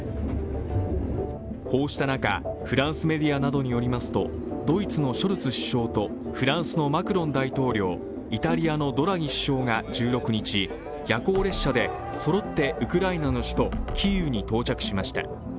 こうした中、フランスメディアなどによりますとドイツのショルツ首相とフランスのマクロン大統領、イタリアのドラギ首相が１６日夜行列車でそろってウクライナの首都キーウに到着しました。